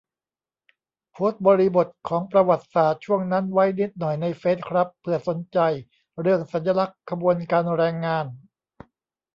โพสต์บริบทของประวัติศาสตร์ช่วงนั้นไว้นิดหน่อยในเฟซครับ เผื่อสนใจ เรื่องสัญลักษณ์ขบวนการแรงงาน